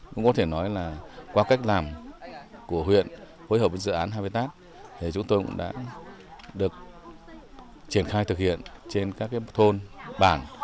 cũng có thể nói là qua cách làm của huyện hối hợp với dự án hai mươi tát thì chúng tôi cũng đã được triển khai thực hiện trên các thôn bản